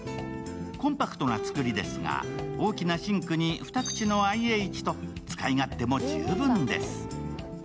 コンパクトなつくりですが、大きなシンクに２口のＩＨと使い勝手も十分です。